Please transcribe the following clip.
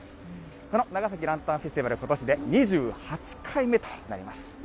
この長崎ランタンフェスティバル、ことしで２８回目となります。